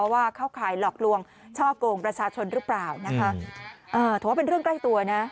ว่าเขาข่ายหลอกลวงชอบโกงประชาชนหรือเปล่าถูกว่าเป็นเรื่องใกล้ตัวนะ